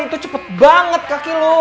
itu cepet banget kaki lo